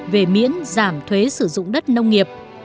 về miễn giảm thuế sử dụng đất nông nghiệp